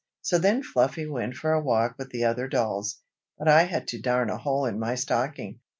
So then Fluffy went for a walk with the other dolls, but I had to darn a hole in my stocking.